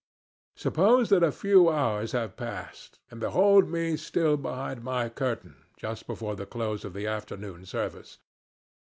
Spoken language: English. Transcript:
Suppose that a few hours have passed, and behold me still behind my curtain just before the close of the afternoon service.